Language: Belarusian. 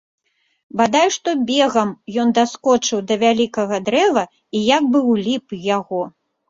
Бадай што бегам ён даскочыў да вялікага дрэва і як бы ўліп у яго.